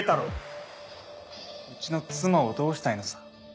うちの妻をどうしたいのさ？